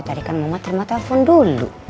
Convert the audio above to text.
tadikan mama terima telepon dulu